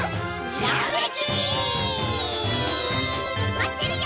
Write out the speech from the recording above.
まってるよ！